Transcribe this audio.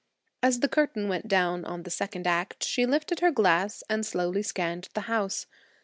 As the curtain went down on the second act she lifted her glass and slowly scanned the house.